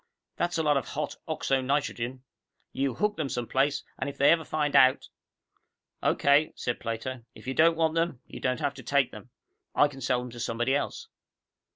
"That's a lot of hot oxo nitrogen. You hooked them some place, and if they ever find out " "Okay," said Plato, "if you don't want them, you don't have to take them. I can sell them to somebody else."